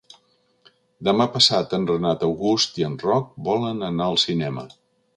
Demà passat en Renat August i en Roc volen anar al cinema.